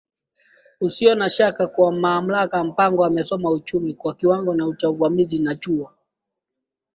usio na shaka kwa mamlakaMpango amesoma uchumi kwa kiwango cha uzamivu katika Chuo